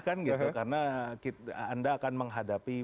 karena anda akan menghadapi